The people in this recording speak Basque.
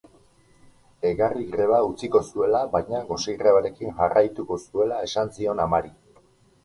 Egarri greba utziko zuela baina gose grebarekin jarraituko zuela esan zion amari.